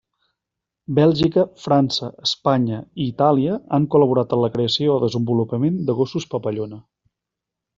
Bèlgica, França, Espanya, i Itàlia han col·laborat en la creació o desenvolupament de gossos papallona.